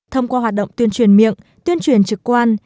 thông qua hoạt động tuyên truyền miệng tuyên truyền trực quan